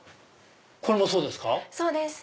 これもそうですか？